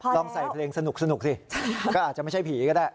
ลองใส่เพลงสนุกสิก็อาจจะไม่ใช่ผีก็ได้